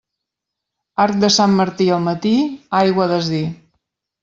Arc de Sant Martí al matí, aigua a desdir.